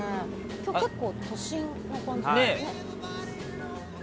今日結構、都心な感じで。